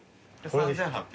３，８００円。